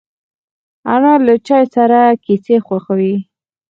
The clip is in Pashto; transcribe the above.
انا له چای سره کیسې خوښوي